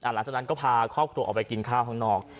หลังจากนั้นก็พาครอบครัวออกไปกินข้าวข้างนอก